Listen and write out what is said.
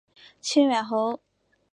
清远侯。